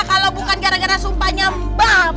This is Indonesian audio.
kalau bukan gara gara sumpahnya mbak